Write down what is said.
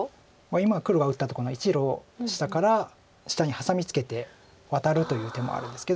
今黒が打ったとこの１路下から下にハサミツケてワタるという手もあるんですけど。